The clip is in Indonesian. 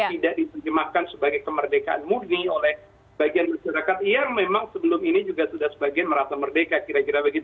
tidak diterjemahkan sebagai kemerdekaan murni oleh bagian masyarakat yang memang sebelum ini juga sudah sebagian merasa merdeka kira kira begitu